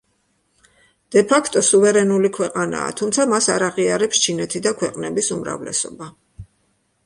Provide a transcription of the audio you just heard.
დე-ფაქტო სუვერენული ქვეყანაა, თუმცა მას არ აღიარებს ჩინეთი და ქვეყნების უმრავლესობა.